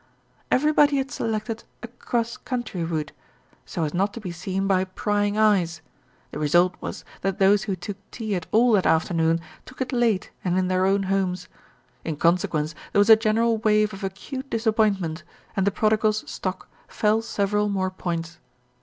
Everybody had selected a "cross country" route, so as not to be seen by "prying eyes." The result was that those who took tea at all that afternoon took it late and in their own homes. In consequence there was a general wave of acute disappointment, and the prodigal's stock fell several more points.